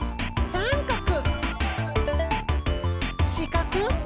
さんかく！